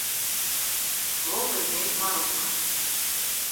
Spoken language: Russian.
Слово имеет Марокко.